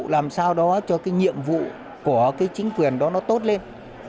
làm sao đó cho cái nhiệm vụ của cái chính quyền đó nó tốt lên